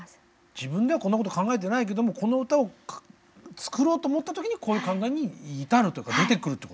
自分ではこんなこと考えてないけどもこの歌を作ろうと思った時にこういう考えに至るというか出てくるってことね。